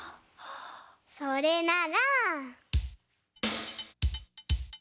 それなら。